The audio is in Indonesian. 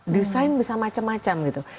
desain bisa macam macam gitu